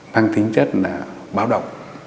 mang tính chất là báo động